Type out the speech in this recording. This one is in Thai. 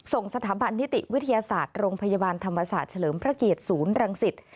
ส่งสถาบันนิติวิทยาศาสตร์โรงพยาบาลธรรมศาสตร์เฉลิมพระเกียรติศูนย์รังสิต